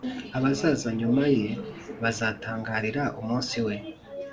abazaza nyuma ye bazatangarira umunsi we,